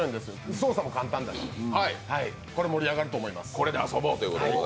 操作も簡単だしこれ、盛り上がると思います。